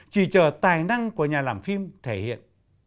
chỉ chờ tài năng của nhà làm phim thể hiện